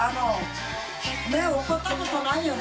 佑怒ったことないよね